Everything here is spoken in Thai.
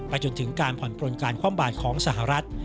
จนถึงการผ่อนปลนการคว่ำบาดของสหรัฐ